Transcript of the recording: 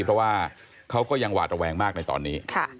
เพราะว่าเขาก็ยังหวาดระแวงมากในตอนนี้